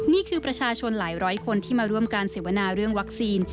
นี่คือประชาชนหลายร้อยคนที่มาร่วมการเสวนาเรื่องวัคซีน